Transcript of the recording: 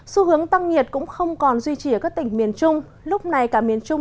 xu hướng tăng nhiệt cũng không còn duy trì ở các tỉnh miền trung lúc này cả miền trung